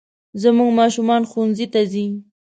زموږ ماشومان ښوونځي ته ځي